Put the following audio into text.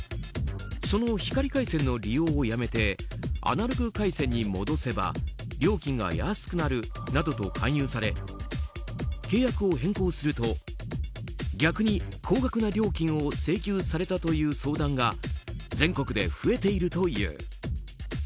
その光回線の利用をやめてアナログ回線に戻せば料金が安くなるなどと勧誘され契約を変更すると逆に高額な料金を請求されたという相談が全国で増えているという。